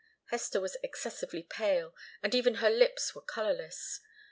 Hester was excessively pale, and even her lips were colourless.